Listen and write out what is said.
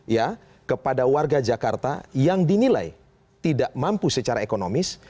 ya kepada warga jakarta yang dinilai tidak mampu secara ekonomis